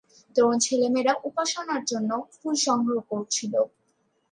তরুণ ছেলেমেয়েরা উপাসনার জন্য ফুল সংগ্রহ করছিল।